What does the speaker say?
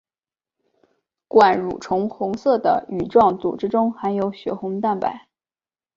管蠕虫红色的羽状组织中含有血红蛋白。